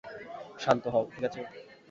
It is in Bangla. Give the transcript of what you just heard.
শান্ত হও, ঠিক আছে?